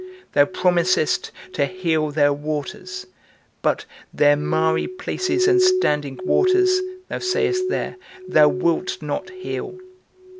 Thou promisest to heal their waters, but their miry places and standing waters, thou sayest there, thou wilt not heal.